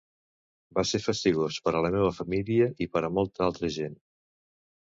Va ser fastigós, per a la meva família i per a molta altra gent.